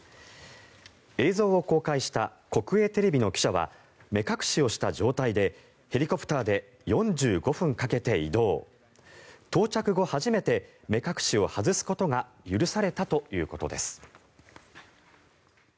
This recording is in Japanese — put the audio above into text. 映像を公開した国営テレビの記者は目隠しをした状態でヘリコプターで４５分かけて移動到着後初めて目隠しを外すことが許されたということです。